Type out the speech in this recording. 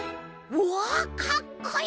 うわかっこいい！